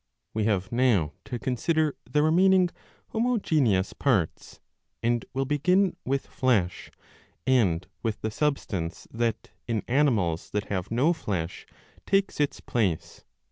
8.j We have now to consider the remaining homogeneous parts, and will begin with flesh, and with the substance that, in animals that have no flesh, takes its place.